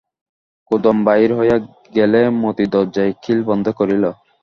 কুমুদ বাহির হইয়া গেলে মতি দরজায় খিল বন্ধ করিল।